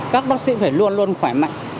các bác sĩ phải luôn luôn khỏe mạnh